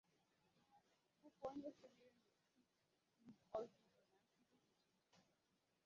bụkwà onye sonyegoro n'ọtụtụ ọzụzụ na nkụzi dị iche iche